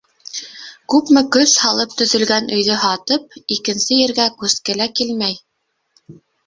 Күпме көс һалып төҙөлгән өйҙө һатып, икенсе ергә күске лә килмәй.